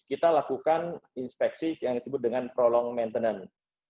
kita lakukan inspeksi yang disebut dengan prolong maintenance